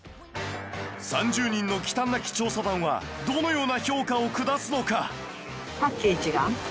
３０人の忌憚なき調査団はどのような評価を下すのか？